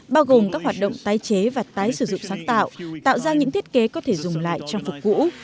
bao gồm các hoạt động tái chế và tái sử dụng sáng tạo tạo ra những thiết kế có thể dùng lại trang phục cũ